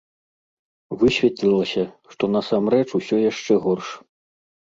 Высветлілася, што насамрэч усё яшчэ горш.